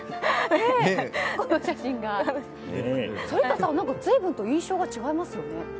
反田さんは随分と印象が違いますよね。